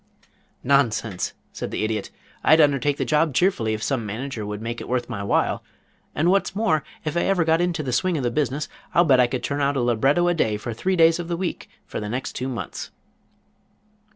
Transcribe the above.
"Nonsense," said the Idiot. "I'd undertake the job cheerfully if some manager would make it worth my while, and what's more, if I ever got into the swing of the business I'll bet I could turn out a libretto a day for three days of the week for the next two months."